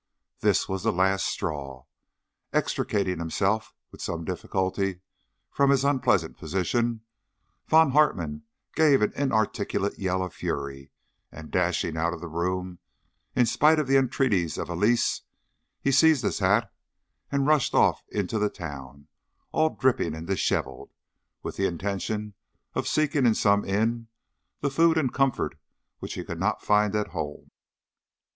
This was the last straw. Extricating himself with some difficulty from his unpleasant position, Von Hartmann gave an inarticulate yell of fury, and dashing out of the room, in spite of the entreaties of Elise, he seized his hat and rushed off into the town, all dripping and dishevelled, with the intention of seeking in some inn the food and comfort which he could not find at home.